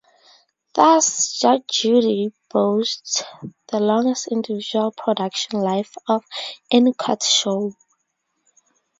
Thus, "Judge Judy" boasts the longest individual production life of any court show.